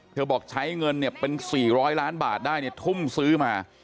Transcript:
บอกใช้เงินเนี่ยเป็น๔๐๐ล้านบาทได้เนี่ยทุ่มซื้อมา